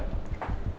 ada apa kak